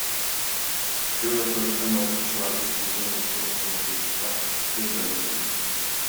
Жөө өтмөктөн окуучуларды сүзгөн окуя коомчулукта чуу жараткан.